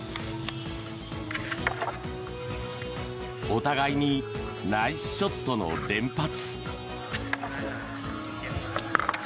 お互いにナイスショットの連発。